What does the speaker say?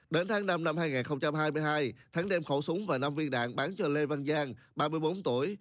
đến tháng năm năm hai nghìn hai mươi hai thắng đem khẩu súng và năm viên đạn bán cho lê văn giang ba mươi bốn tuổi